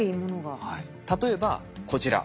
例えばこちら。